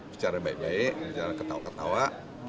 bicara baik baik bicara ketawa ketawa